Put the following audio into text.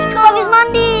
kalau habis mandi